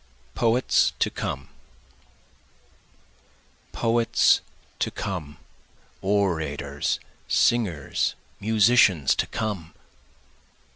Poets to Come Poets to come! orators, singers, musicians to come!